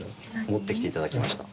持ってきて頂きました。